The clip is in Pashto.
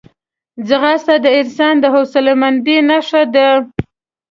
ځغاسته د انسان د حوصلهمندۍ نښه ده